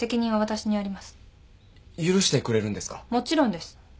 もちろんです。